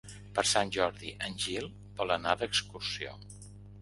Per Sant Jordi en Gil vol anar d'excursió.